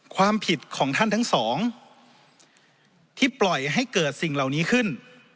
ความผิดของท่านทั้งสองที่ปล่อยให้เกิดสิ่งเหล่านี้ขึ้น